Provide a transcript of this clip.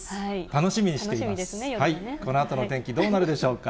楽しみですね、このあとの天気、どうなるでしょうか。